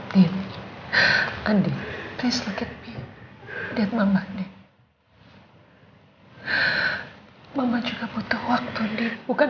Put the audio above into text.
tentu saja itu maksud saya